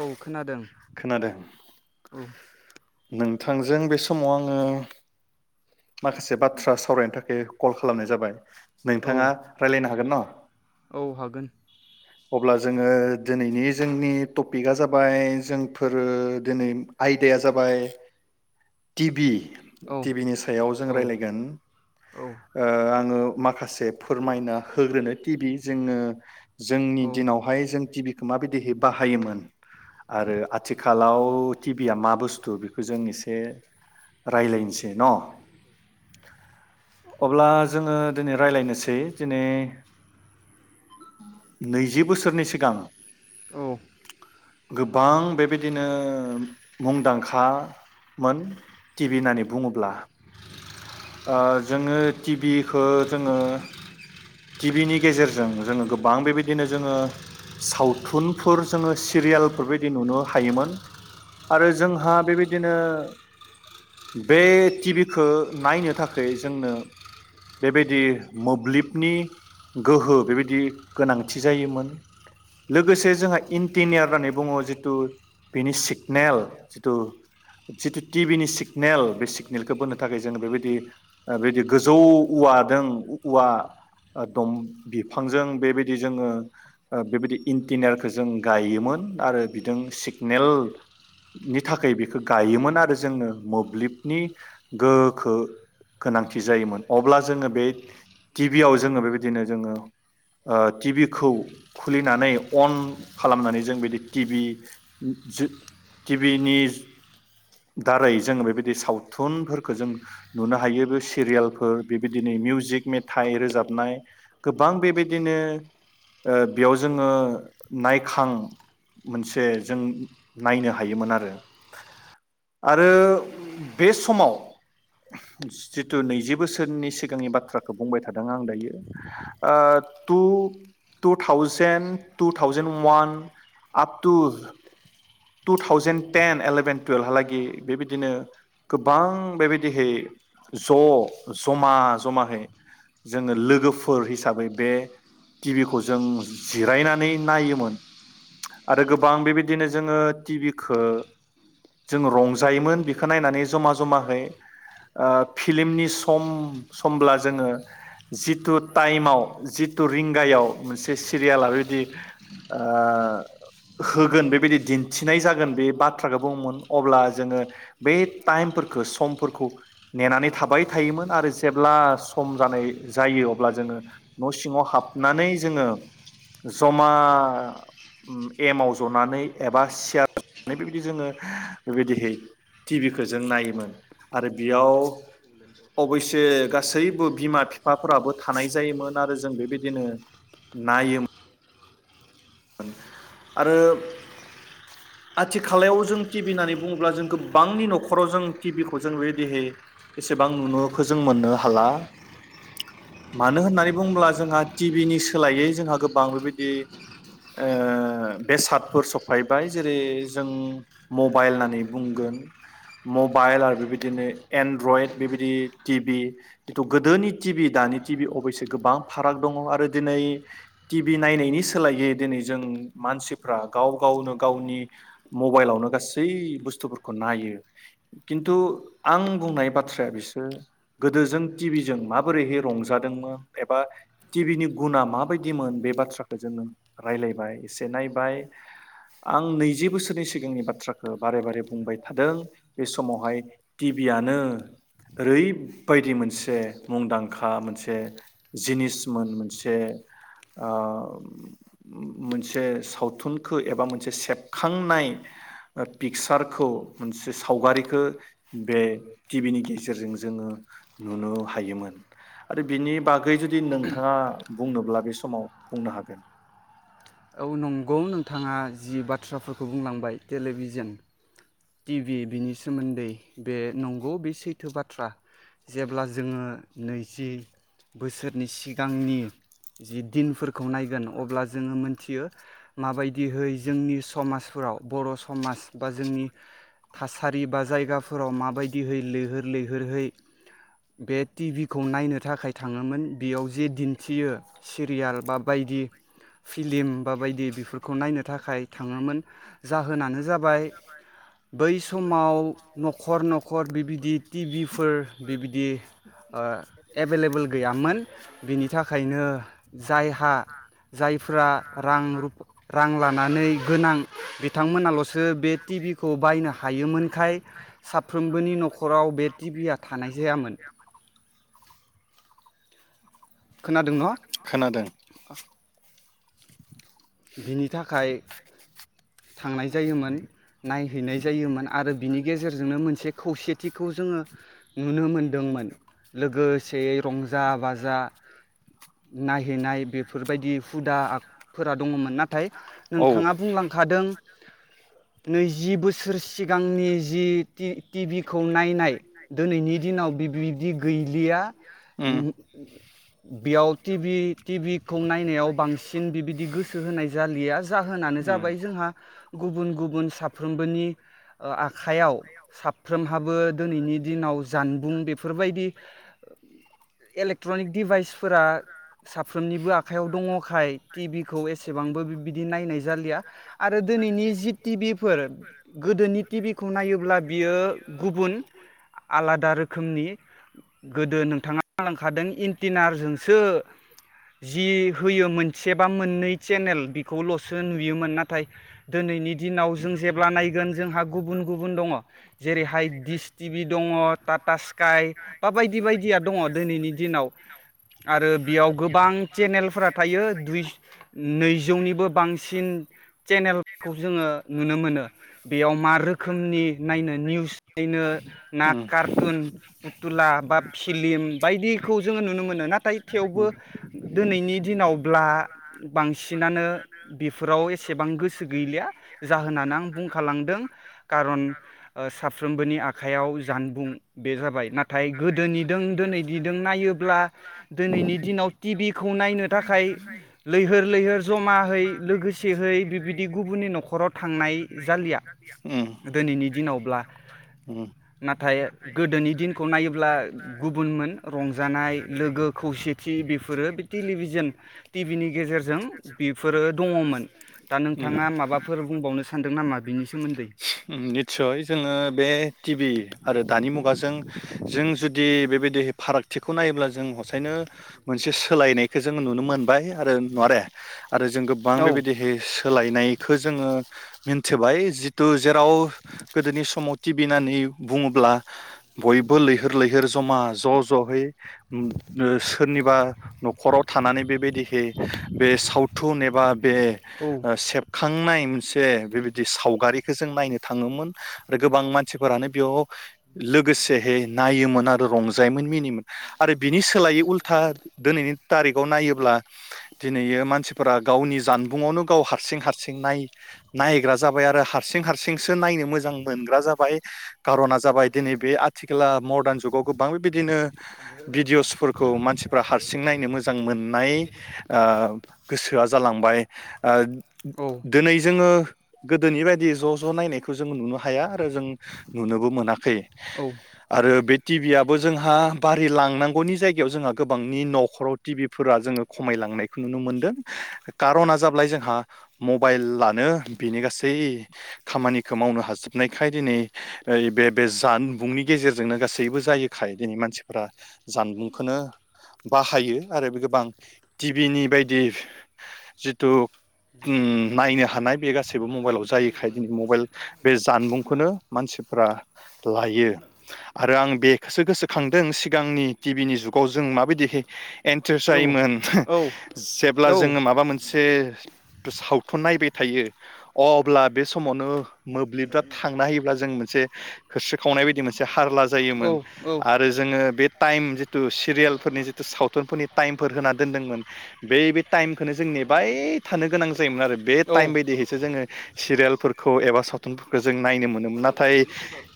औ खोनादों। खोनादों। औ। नोंथांजों बे समाव आङो माखासे बाथ्रा सावरायनो थाखाय कल खालामनाय जाबाय। औ नोंथाङा रायलायनो हागोन ना? औ हागोन। अब्ला जोङो दिनैनि जोंनि टपिकआ जाबाय जोंफोरो दिनै आयदाया जाबाय टि भि। औ टिभिनि सायाव जों रायलायगोन औ ओ आङो माखासे फोरमायना होग्रोनो। टिभि जोङो जोंनि दिनावहाय जों टि भि माबायदिहै बाहायोमोन आरो आथिखालाव टिभि आ मा बुस्थु बेखौ जों एसे रायलायनोसै न? अब्ला जोङो दिनै रायज्लायनोसै दिनै नैजि बोसोरनि सिगां औ गोबां बेबायदिनो मुंदांखामोन टि भि होननानै बुङोब्ला। ओ जोङो टि भिखौ जोङो टि भिनि गेजेरजों जोङो गोबां बेबायदि नो जोङो सावथुनफोर जोङो सिरियालफोरबायदि नुनो हायोमोन आरो जोंहा बेबायदिनो बे टिभिखौ नायनो थाखाय जोंनो बेबायदि मोब्लिबनि गोहो बेबायदि गोनां थि जायोमोन लोगोसे जोंहा इन्टिनियार होननानै बुङो जिथु बेनि सिगनेल जिथु जिथु टिभिनि सिगनेल बे सिगनेलखौ बोनो थाखाय जोङो बेबायदि ओ बेबायदि गोजौ औवाजों औवा दं बिफांजों बेबायदि जोङो ओ बेबायदि इन्टिनियारखौ जों गायोमोन आरो बिजों सिगनेलनि थाखाय बेखौ गायोमोन आरो जोंनो मोब्लिबनि गोहोखो गोनांथि जायोमोन अब्ला जोङो बे टिभियाव जोङो बेबायदिनो जोङो ओ टिभिखौ खुलिनानै अन खालामनानै जों बिदि टिभि जो टिभिनि दारै जों बेबायदि सावथुनफोरखौ जों नुनो हायो, बे सिरियालफोर, बेबायदिनो मिउजिक मेथाइ रोजाबनाय गोबां बेबायदि नो ओ बेयाव जोङो नायखां मोनसे जों नायनो हायोमोन आरो। आरो बे समाव जिथु नैजि बोसोरनि सिगांनि बाथ्राखौ बुंबाय थादों आं दायो ओ two two thousand two thousand one आप थु टु थावजेन टेन, इलेभेन, टुयेल्भहालागै बेबायदिनो गोबां बेबायदिहै ज' जमा जमाहै जोङो लोगोफोर हिसाबै बे टिभिखौ जों जिरायनानै नायोमोन आरो गोबां बेबायदिनो जोङो टिभिखो जों रंजायोमोन बेखौ नायनानै जमा जमाहै ओ फिल्मनि सम समब्ला जोङो जिथु टाइमाव जिथु रिंगायाव मोनसे सिरियाला बेबायदि ओ होगोन बेबायदि दिन थिनाय जागोन बे बाथ्राखौ बुोमोन अब्ला जोङो बे टाइमफोरखौ समफोरखौ नेनानै थाबाय थायोमोन आरो जेब्ला सम जानाय जायो अब्ला जोङो न' सिङाव हाबनानै जोङो जमा एमाव ज'नानै एबा सियाराव जनानै बेबायदि जोङो बेबायदिहै टिभिखौ जों नायोमोन आरो बेयाव अबयसे गासैबो बिमा बिफाफोराबो थानाय जायोमोन आरो जों बेबायदिनो नायो मोन आरो आथिखालायाव जों टि भि होननानै बुङोब्ला जों गोबांनि न'खराव जों टि भिखौ जों बेबायदिहै एसेबां नुनोखो जों मोननो हाला। मानो होननानै बुङोब्ला जोंहा टि भिनि सोलायै जोंहा गोबां बेबायदि ओ बेसादफोर सफैबाय जेरै जों मबाइल होननानै बुंगोन मबाइल आरो बेबायदिनो एन्ड्रयड बेबायदि टिभि जिथु गोदोनि टिभि दानि टिभि अबयसे गोबां फाराग दङ आरो दिनै टि भि नायनायनि सोलायै दिनै जों मानसिफ्रा गाव गावनो गावनि मबाइलावनो गासै बुस्थुफोरखौ नायो। खिन्थु आं बुंनाय बाथ्राया बिसोरो गोदोजों टिभिजों माबोरैहाय रंजादोंमोन एबा टिभिनि गुना माबायदिमोन बे बाथ्राखौ जोङो रायलायबाय एसे नायबाय आं नैजि बोसोरनि सिगांनि बाथ्राखौ बारे बारे बुंबाय थादों। बे समावहाय टिभिआनो ओरैबायदि मोनसे मुंदांखा मोनसे जिनिसमोन मोनसे ओ मोनसे सावथुनखौ एबा मोनसे सेबखांनाय पिकचारखौ मोनसे सावगारि खौ बे टिभिनि गेजेरजों जोङो नुनो हायोमोन आरो बिनि बागै जुदि नोंथाङा बुंनोब्ला बे समाव बुंनो हागोन। औ नंगौ नोंथाङा जि बाथ्राफोरखौ बुंलांबाय टेलिभिजन टिभि बिनि सोमोन्दै बे नंगौ बे सैथो बाथ्रा जेब्ला जोङो नैजि बोसोरनि सिगांनि जि दिनफोरखौ नायगोन अब्ला जोङो मोनथियो माबायदिहै जोंनि समाजफोराव बर' समाज बा जोंनि थासारि बा जायगाफोराव माबायदिहै लैहोर लैहोरहै बे टिभिखौ नायनो थाखाय थाङोमोन बेयाव जे दिन्थियो सिरियाल बा बायदि फिलिम बा बायदि बेफोरखौ नायनो थाखाय थाङोमोन जाहोनानो जाबाय बै समाव न'खर न'खर बिबायदि टिभिफोर बिबायदि ओ एभेलेबेल गैयामोन बिनि थाखायनो जायहा जायफ रां रु रां लानानै गोनां बिथांमोनालसो बे टि भि खौ बायनो हायोमोनखाय साफ्रोमबोनि न'खराव बे टि भिया थानाय जायामोन। खोनादों न' खोनादों। [inaudible] बिनि थाखाय थांनाय जायोमोन नाय हैनाय जायोमोन आरो बिनि गे जेरजोंनो मोनसे खौसेथिखौ जोङो नुनो मोनदोंमोन लोगोसेयै रंजा बाजा नायहैनाय बेफोरबायदि हुदाफोर आखु दङमोन नाथाय औ नोंथाङा बुंलांखादों। नैजि बोसोर सिगांनि जि टि-टिभि खौ नायनाय दोनैनि दिनाव बिदि गैलिया उम बेयाव टि भि टि भिखौ नायनायाव बांसिन बि बि गोसो होनाय जालिया जाहोनानो उम जाबाय जोंहा गुबुन गुबुन साफ्रोमबोनि ओ आखायाव साफ्रोमहाबो दोनैनि दिनाव जानबुं बेफोरबायदि इलेक्ट्रनिक डिभाइसफोरा साफ्रोमनिबो आखायाव दङखाय टिभि खौ एसेबांबो बि बिदि नायनाय जालिया आरो दोनैनि जि टि भि फोर गोदोनि टिभिखौ नायोब्ला बियो गुबु न आलादा रोखनि गोदो नोंथाङा लांखादों इनटिनारजोंसो जि होयोमोन मोननै चेनेल बेखौलसो नुयो बियोमोन नाथाय दिनैनि दिनाव जों जेब्ला नायगोन जोंहा गुबुन गुबुन दङ जेरैहाय दिस टिभि दङ टाटा स्काइ बा बायदि बायदिया दङ दिनैनि दिनाव आरो बेयाव गोबां चेनेलफोरा थायो नैजौनिबो बांसिन चेनेलखौ जोङो नुनो मोनो बेयाव मा रोखोमनि नायनो निउस नायनो ना उम कारटुन फुथुला बा फिलिम बायदिखौ जोङो नुनो मोनो नाथाय थेवबो उम दिनैनि दिनाव ब्ला बांसिनानो बेफोराव ए एसेबां गोसो गैलिया जाहोनानै आं बुंखालांदों खारन ओ साफ्रोमबोनि आखयाव जानबुं बे जाबाय नाथाय गोदोनिदों दोनैनिदों नायोब्ला दिनैनि दिनाव टिभि खौ नायनो थाखाय लैहोर लैहोर जमाहैै लोगोसे एसेहै बिबायदि गुबुननि नखराव थांनाय जालिया उम दोनैनि दिनावब्ला नाथाय गोदोनि दिनखौ नायोब्ला गुबुनमोन रंजानाय लोगो खौसेथि बेफोरो बे टेलिभिजन टिभिनि गेजेरजों बेफोरो दङमोन दा नोंथाङा माबाफोर बुंबावनो सानदों नामा बिनि सोमोन्दै निस्सय जोङो बे टि भि आरो दानि मुगाजों जों जुदि बेबायदि फारागथिखौ नायोब्ला जों हसायनो मोनसे सोलायनायखौ जोंङो नुनो मोनबाय आरो नुवारे आरो जों गोबां औ बेबायदि सोलायनायखौ जोङो मिन्थिबाय जितु जेराव गोदोनि समाव टि भि होननानै बुङोब्ला बयबो लैहोर लैहोर जमा ज जयै ओ सोरनिबा न'खराव थानानै बेबायदिहै बे सावथुन एबा बे औ ओ सेब खांनाय मोनसे बेबायदि सावगारिखौ जों नायनो थाङोमोन आरो गोबां मानसिफोरानो बेयाव लोगोसेहै नायोमोन आरो रंजायोमोन मिनि आरो बिनि सोलायै उल्था दिनैनि तारिकाव नायोब्ला दिनैयो मानसिफोरा गावनि जान बुङावनो गाव हारसिं हारसिं नाय नायग्रा जाबाय आरो हारसिं हारसिंसो नायनो मोजां मोनग्रा जाबाय खारना जाबाय दिनै बे आथिखालला मदार्न जुगाव गोबां बेबायदिनो भिडिअसफोरखौ मानसिफ्रा हारसिं नायनो मोजां मोननाय ओ गोसोआ जालांबाय ओ औ दिनै जोङो गोदोनि बायदि ज ज नायनायखौ जों नुनो हाया आरो जों नुनोबो मोनाखै। औ आरो बे टिभि आबो जोंहा बारि लांनांगौनि जायगायाव जोंहा गोबांनि नखराव टिभि फोर जोङो खमायलांनायखौ नुनो मोनदों कारना जाबलाय जोंहा मबाइलानो बिनि गासै खामानिखौ मावनो हाजोबनायखाय दिनै बे बे जानबुंनि गेजेरजोंनो गासैबो जायोखाय दिनै मानसिफोरा जानबुंखौनो बाहायो आरो गोबां टिभिनि बायदि जिथु ओम नायनो हानाय बे गासैबो मबाइलाव जायैखाय दिनै मबाइल बे जानबुंखौनो मानसिफ्रा लायो आरो आं बेखौसो गोसोखांदों सिगांनि टिभिनि जुगाव जों माबायदिहै एन्ट्रेस औ जायोमोन जेब्ला जों माबा मोन सावथुन नायबाय थायो अ अब्ला बे समावनो मोब्लिबा थांना होयोब्ला जों मोन से होस्रिखावनाय बायदि मोनसे हारला जायोमोन औ आरो जोङो बे ताइम जे तु सिरियाेलफोरनि जिथु सावथुनफोरनि टाइमफोर होना दोनदोंमोन बै टाइमखौनो जों ने बाय थानो गोनां जायोमोन आरो बे औ टाइम बायदिहैसो जोङो सिरियालफोरखौ एबा सावथुनफोरखौ जों नायनो मोनोमोन नाथाय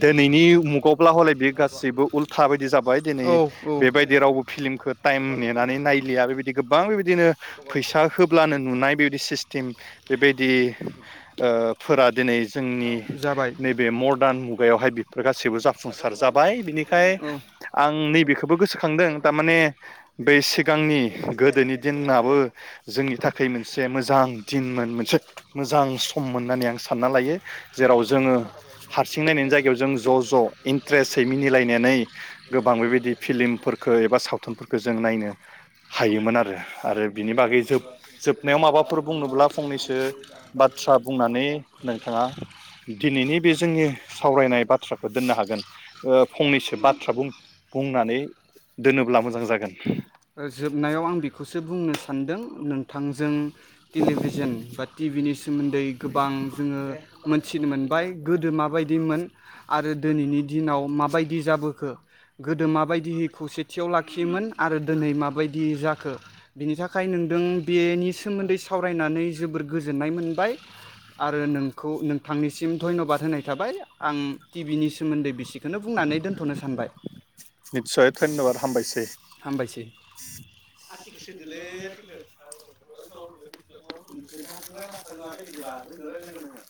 दिनैनि मुगावब्ला हले बे गासैबो उल्था बायदि जाबाय दिनै औ औ बेबायदि रावबो फिलिमखौ टाइम नेनानै नायलिया बेबायदि गोबां बेबायदिनो फैसा होब नुनाय बेबायदि सिस्टेम बेबायदि ओ फोरा दिनै जोंनि जाबाय नैबे र्मदान मुगायावहाय बिफ गासैबो जाफुंसार जाबाय बिनिखाय औ आं नैबेखौबो गोसोखांदों थारमाने बै सिगांनि गोदोनि दिनाबो जोंनि थाखाय मोनसे मोजां दिनमोन मोनसे मोजां सममोन होननानै आं सानना लायो जेराव जोङो हारसिं नायनायनि जायगायाव जों ज' ज' इन्ट्रेस्टयै मिनिलायनानै गोबां बेबायदि फिलिमफोरखो एबा सावथुनफोरखो जों नायनो हायोमोन आरो आरो बिनि बा ओ फंनैसो बाथ्रा बुंनानै नोंथाङा दिनैनि बे जोंनि सावरायनाय बाथ्राखौ दोननो हागोन ओ फंनैसो बाथ्रा बुं बुंनानै दोनोब्ला मोजां जागोन जोबनायाव आं बेखौसो बुंनो स मोनदों नोंथांजों टेलिभिजन बा टिभिनि सोमोन्दै गोबां जोङो मोनथिनो मोनबाय। गोदो माबायदि दिमोन आरो दिनैनि दिनाव माबायदि जाबोखो गोदो माबायदियै खौसेथियाव लाखियोमोन आरो दोनै माबायदि जाखो बिनि थाखाय थाखाय नोंदों बेनि सोमोन्दै सावरायनानै जोबोर गोजोननाय मोनबाय आरो नोंखौ नोंथांनिसिम धन्यबाद होनाय थाबाय आं टिभि नि सोमोन्दै बिसिखौनो बुंनानै दोन्थ'नो सानबाय। निस्सय धन्यबाद हामबायसै हामबायसै। [unintelligible] [unintelligible]